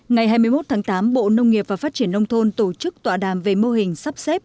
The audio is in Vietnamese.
ngày hai mươi một tháng tám bộ nông nghiệp và phát triển nông thôn tổ chức tọa đàm về mô hình sắp xếp